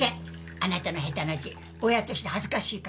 あなたの下手な字親として恥ずかしいから。